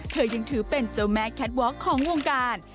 เธอยังถือเป็นเจ้าแม่แคทวอล์ของวงการ